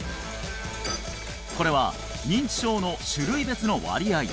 これは認知症の種類別の割合